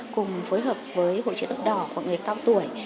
cùng phối hợp với hội chế tốc đỏ của người cao tuổi